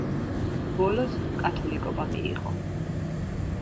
ბოლოს კათოლიკობა მიიღო.